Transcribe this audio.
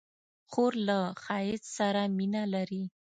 خور له ښایست سره مینه لري.